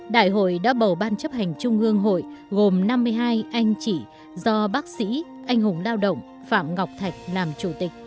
đại hội đã bầu ban chấp hành trung ương hội gồm năm mươi hai anh chỉ do bác sĩ anh hùng lao động phạm ngọc thạch làm chủ tịch